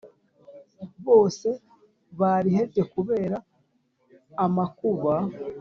bose barihebye kubera amakuba